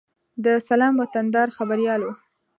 د سلام وطندار خبریال و.